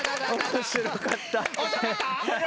面白かった？